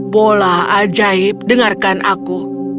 bola ajaib dengarkan aku